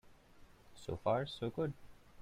So far so good.